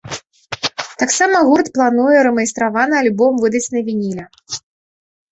Таксама гурт плануе рэмайстраваны альбом выдаць на вініле.